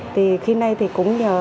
thì khi nay thì cũng nhờ